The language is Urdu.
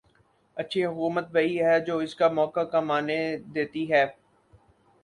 اچھی حکومت وہی ہے جو اس کا موقع کم آنے دیتی ہے۔